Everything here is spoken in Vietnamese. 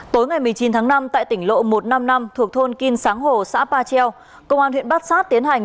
tối ngày một mươi chín tháng năm tại tỉnh lộ một trăm năm mươi năm thuộc thôn kim sáng hồ xã ba treo công an huyện bát sát tiến hành